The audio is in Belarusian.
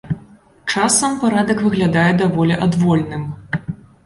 Часам парадак выглядае даволі адвольным.